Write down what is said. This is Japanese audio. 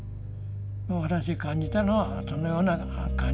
私感じたのはそのような感じ。